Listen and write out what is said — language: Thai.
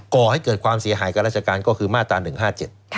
ก่อให้เกิดความเสียหายกับราชการก็คือมาตรา๑๕๗